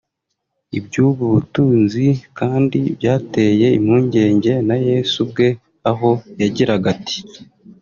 Iby’ubu butunzi kandi byateye impungenge na Yesu ubwe aho yagiraga ati